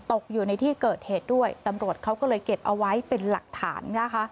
อยู่ในที่เกิดเหตุด้วยตำรวจเขาก็เลยเก็บเอาไว้เป็นหลักฐานนะคะ